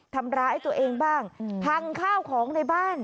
ทำร้ายตัวเองบ้างพังข้าวของในบ้าน